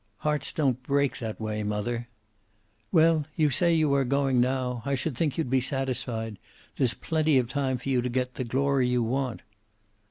"Hearts don't break that way, mother." "Well, you say you are going now. I should think you'd be satisfied. There's plenty of time for you to get the glory you want."